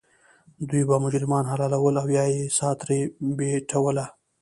دوی به مجرمان حلالول او یا یې سا ترې بیټوله.